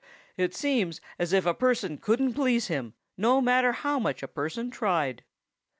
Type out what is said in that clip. "It seems as if a person couldn't please him, no matter how much a person tried."